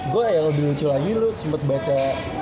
gue yang lebih lucu lagi lo sempet baca